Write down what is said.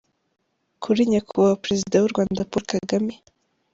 Kuri Nyakubahwa Perezida w’u Rwanda Paul Kagame